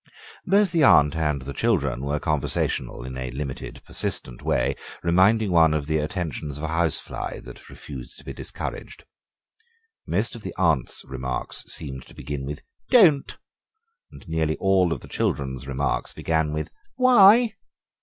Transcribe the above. Both the aunt and the children were conversational in a limited, persistent way, reminding one of the attentions of a housefly that refuses to be discouraged. Most of the aunt's remarks seemed to begin with "Don't," and nearly all of the children's remarks began with "Why?"